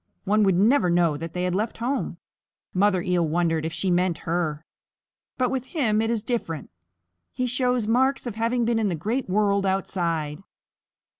One would never know that they had left home (Mother Eel wondered if she meant her), but with him it is different. He shows marks of having been in the great world outside."